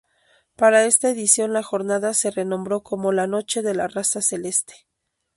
Para esta edición la jornada se renombró como La Noche de la Raza Celeste.